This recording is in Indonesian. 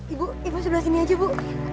ibu ibu sebelah sini aja bu